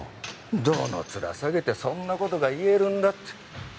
どの面下げてそんな事が言えるんだって。